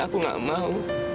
aku gak mau